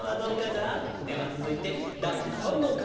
ではつづいてだい３のかげだ。